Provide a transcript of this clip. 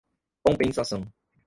compensação